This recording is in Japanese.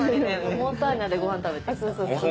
モンターニャでごはん食べてきた。